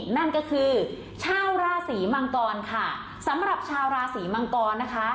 นั่นก็คือชาวราศีมังกรค่ะสำหรับชาวราศีมังกรนะคะ